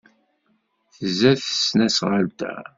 Tzad tesnasɣalt-a.